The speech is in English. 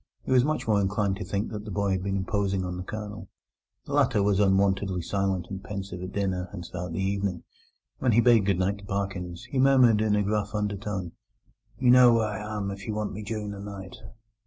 He was much more inclined to think that the boy had been imposing on the Colonel. The latter was unwontedly silent and pensive at dinner and throughout the evening. When he bade goodnight to Parkins, he murmured in a gruff undertone: "You know where I am if you want me during the night."